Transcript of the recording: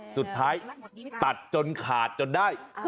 สุดท้ายตัดจนขาดจนได้